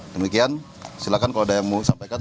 demikian silakan kalau ada yang mau sampaikan